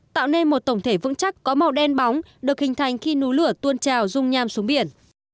tạo nên một tổng thể vững chắc có màu đen bóng được hình thành khi núi lửa tuôn trào rung nham xuống biển